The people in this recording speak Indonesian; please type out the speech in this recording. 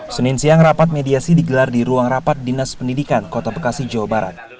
senin siang rapat mediasi digelar di ruang rapat dinas pendidikan kota bekasi jawa barat